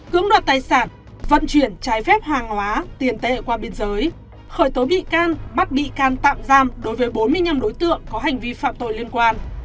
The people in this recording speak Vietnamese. cưỡng đoạt tài sản vận chuyển trái phép hàng hóa tiền tệ qua biên giới khởi tố bị can bắt bị can tạm giam đối với bốn mươi năm đối tượng có hành vi phạm tội liên quan